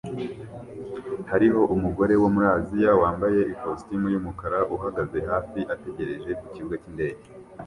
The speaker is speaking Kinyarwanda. Hariho umugore wo muri Aziya wambaye ikositimu yumukara uhagaze hafi ategereje kukibuga cyindege